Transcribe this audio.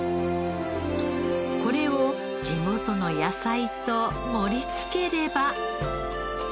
これを地元の野菜と盛りつければ。